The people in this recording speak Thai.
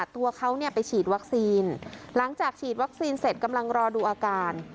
ตัวเขาไปฉีดวัคซีนหลังจากฉีดวัคซีนเสร็จกำลังรอดูอาการ